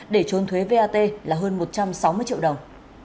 để trốn thuế vat là hơn một trăm sáu mươi triệu đồng